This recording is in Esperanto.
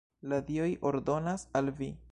La dioj ordonas al vi!